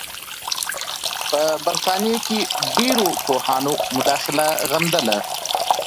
په برټانیه کې ډېرو پوهانو مداخله غندله.